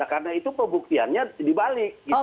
karena itu pembuktiannya dibalik